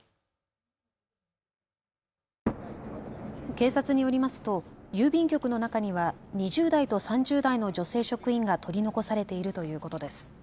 警察によりますと郵便局の中には２０代と３０代の女性職員が取り残されているということです。